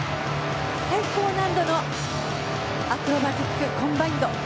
最高難度のアクロバティックコンバインド。